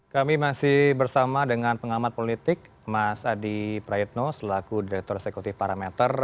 kami masih bersama dengan pengamat politik mas adi praetno selaku direktur eksekutif parameter